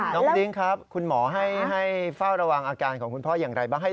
น้องดิ้งครับคุณหมอให้เฝ้าระวังอาการของคุณพ่ออย่างไรบ้าง